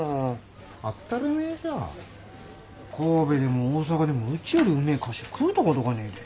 神戸でも大阪でもうちよりうめえ菓子ゅう食うたことがねえで。